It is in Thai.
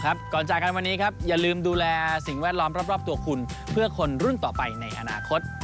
ก่อนจากกันวันนี้ครับอย่าลืมดูแลสิ่งแวดล้อมรอบตัวคุณเพื่อคนรุ่นต่อไปในอนาคต